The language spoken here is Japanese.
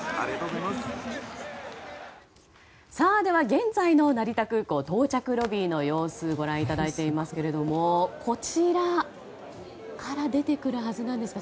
では、現在の成田空港到着ロビーの様子をご覧いただいていますけれどもこちらから出てくるはずなんですが。